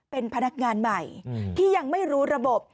เป็นพนักงานใหม่ที่ยังไม่รู้ระบบ